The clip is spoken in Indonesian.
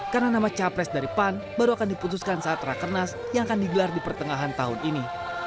karena nama capres dari pan baru akan diputuskan saat rakernas yang akan digelar di pertengahan tahun ini